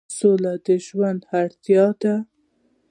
سوله د ژوند اړتیا ده